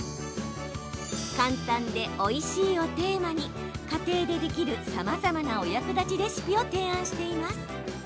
簡単でおいしいをテーマに家庭でできるさまざまなお役立ちレシピを提案しています。